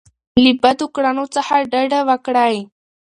له بدو کړنو څخه ډډه وکړئ.